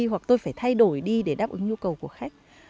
hoặc tôi phải thay đổi đi để đáp ứng nhu cầu của khách